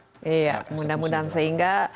iya mudah mudahan sehingga